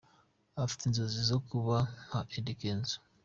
Afite inzozi zo kuba nka Eddy Kenzo.